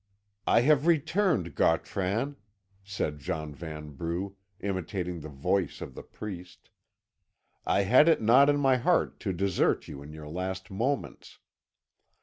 "I have returned, Gautran," said John Vanbrugh, imitating the voice of the priest; "I had it not in my heart to desert you in your last moments.